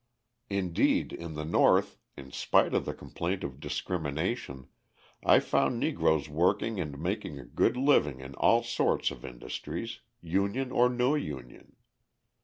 Indeed, in the North, in spite of the complaint of discrimination, I found Negroes working and making a good living in all sorts of industries union or no union.